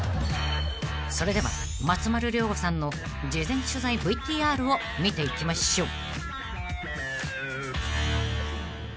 ［それでは松丸亮吾さんの事前取材ＶＴＲを見ていきましょう］